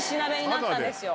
なったんですよ。